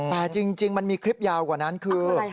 แต่จริงมันมีคลิปยาวกว่านั้นคือ